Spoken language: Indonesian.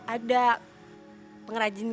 ada pengrajin kaki palsu